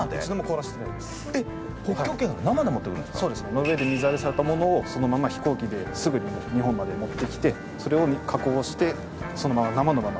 ノルウェーで水揚げされたものをそのまま飛行機ですぐに日本まで持ってきてそれを加工してそのまま生のまま。